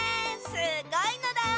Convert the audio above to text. すごいのだ！